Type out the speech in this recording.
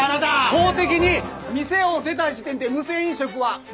法的に店を出た時点で無銭飲食は成立しますよ。